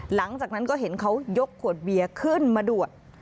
หลังจากนั้นก็เห็นเขายกขวดเบียร์ขึ้นมาดวด